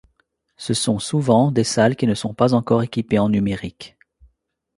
Ce sont, souvent, des salles qui ne sont pas encore équipées en numérique.